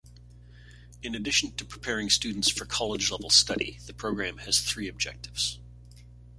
In addition to preparing students for college-level study, the program has three objectives.